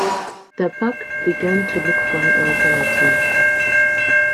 The park began to look for an alternative.